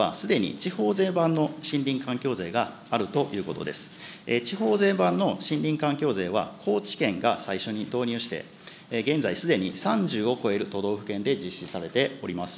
地方税版の森林環境税は、高知県が最初に導入して、現在、すでに３０を超える都道府県で実施されております。